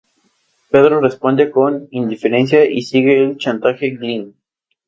Pedro responde con indiferencia, y sigue el chantaje Glynn.